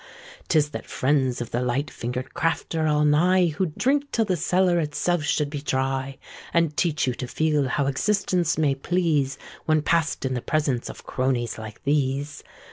'Tis that friends of the light fingered craft are all nigh, Who'd drink till the cellar itself should be dry, And teach you to feel how existence may please, When pass'd in the presence of cronies like these.